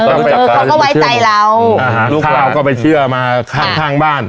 เออเขาก็ไว้จ่ายเราอ่าฮะลูกพ่อก็ไปเชื่อมาข้างบ้าน